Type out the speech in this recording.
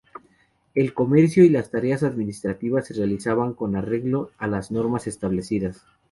El comercio y las tareas administrativas se realizaban con arreglo a las normas establecidas.